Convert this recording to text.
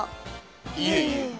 いえいえ。